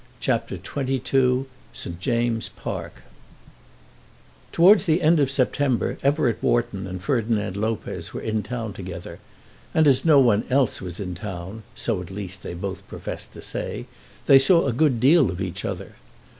CHAPTER XXII St. James's Park Towards the end of September Everett Wharton and Ferdinand Lopez were in town together, and as no one else was in town, so at least they both professed to say, they saw a good deal of each other.